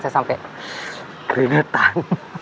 saya sampai keringetan